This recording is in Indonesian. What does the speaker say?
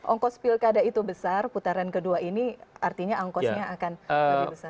ongkos pilkada itu besar putaran kedua ini artinya ongkosnya akan lebih besar